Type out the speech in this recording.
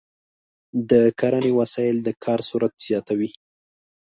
د کرنې وسایل د کار سرعت زیاتوي.